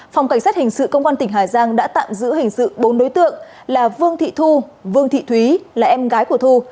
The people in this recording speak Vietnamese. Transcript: phòng cảnh sát hình sự công an tỉnh hà giang đã tạm giữ hình sự bốn đối tượng là vương thị thu vương thị thúy là em gái của thu